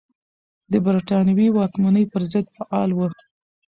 د بریتانوي واکمنۍ پر ضد فعال و.